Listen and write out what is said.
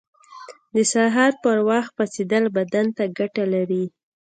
• د سهار پر وخت پاڅېدل بدن ته ګټه لري.